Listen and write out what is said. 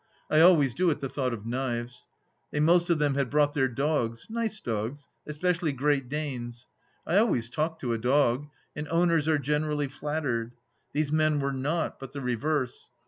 I always do at the thought of knives. They most of them had brought their dogs — nice dogs, especially Great Danes. I always talk to a dog, and owners are generally flattered; these men were not, but the reverse.